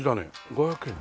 ５００円で。